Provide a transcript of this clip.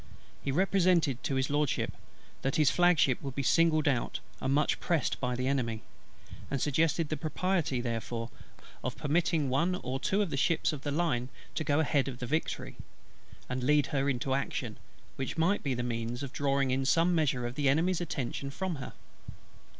He represented to His LORDSHIP, that his flag ship would be singled out and much pressed by the Enemy; and suggested the propriety therefore of permitting one or two ships of his line to go ahead of the Victory, and lead her into action, which might be the means of drawing in some measure the Enemy's attention from her.